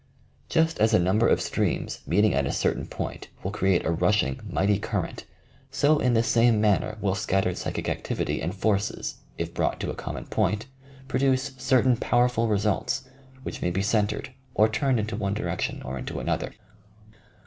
Just as a num ber of streams meeting at a certain point will create a rushing, mighty current, so in the same manner will scattered psychic activity and forces, if brought to a common point, produce certain powerful results, which may be centred or turned into one direction or into another.